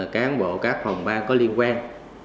cán bộ các phòng ban có liên quan